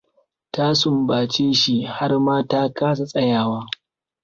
Ta sumbace shi har ma ta kasa tsayawa.